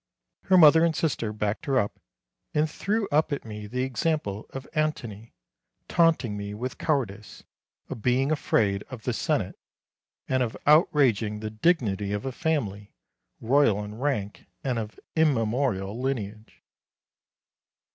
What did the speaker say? Her mother and sister backed her up, and threw up at me the example of Antony, taunting me with cowardice, of being afraid of the Senate, and of outraging the dignity of a family, royal in rank, and of immemorial lineage.